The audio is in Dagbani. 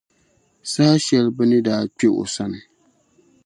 Saha shεli bɛ ni daa kpe o sani.